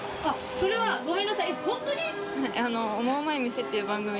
・それはごめんなさい